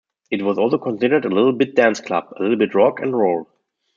It was also considered a little bit dance-club, a little bit rock and roll.